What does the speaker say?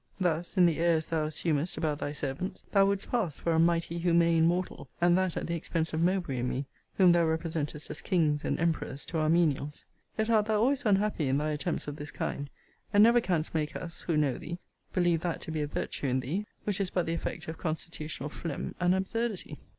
Thus, in the airs thou assumest about thy servants, thou wouldst pass for a mighty humane mortal; and that at the expense of Mowbray and me, whom thou representest as kings and emperors to our menials. Yet art thou always unhappy in thy attempts of this kind, and never canst make us, who know thee, believe that to be a virtue in thee, which is but the effect of constitutional phlegm and absurdity.